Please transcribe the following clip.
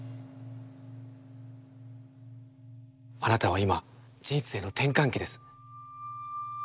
あなたは今人生の転換期です。